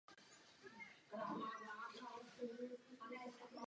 V lize debutoval v následující sezóně a hned v prvním utkání vstřelil vítězný gól.